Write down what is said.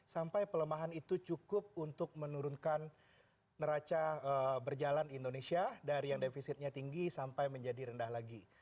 sampai pelemahan itu cukup untuk menurunkan neraca berjalan indonesia dari yang defisitnya tinggi sampai menjadi rendah lagi